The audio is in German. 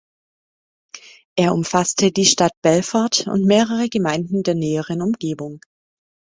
Er umfasste die Stadt Belfort und mehrere Gemeinden der näheren Umgebung.